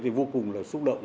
thì vô cùng là xúc động